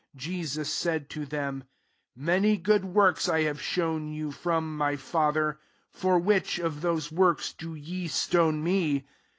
32 Jesus said to them, '< Many good works I have shown you, &om my Father, for which of those works do ye stone me?''